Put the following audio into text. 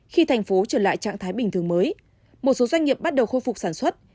khi thành phố trở lại trạng thái bình thường mới một số doanh nghiệp bắt đầu khôi phục sản xuất